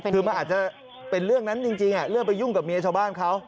คือมันอาจจะเป็นเรื่องนั้นจริงเรื่องไปยุ่งกับเมียชาวบ้านเขา